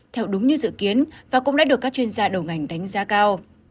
theo đúng như dự kiến và cũng đã được các chuyên gia đầu ngành đánh giá cao